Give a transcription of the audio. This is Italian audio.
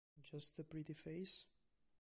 Just a Pretty Face?